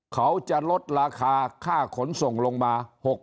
เขาจะลดราคาค่าขนส่งลงมา